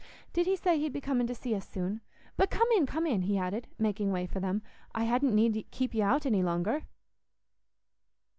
Did he say he'd be coming to see us soon? But come in, come in," he added, making way for them; "I hadn't need keep y' out any longer."